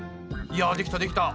いやできたできた。